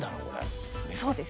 そうですね。